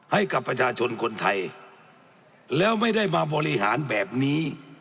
ให้กับประชาชนคนไทยแล้วไม่ได้มาบริหารแบบนี้